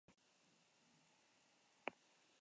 Tenperatura honi espazioaren tenperatura deitu ohi zaio.